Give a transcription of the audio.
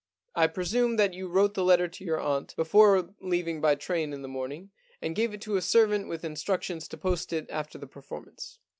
I presume that you wrote the letter to your aunt before leaving by train in the morning, and gave it to a servant with instructions to post it after the performance.'